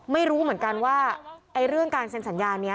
ไม่รู้เหมือนกันว่าเรื่องการเซ็นสัญญานี้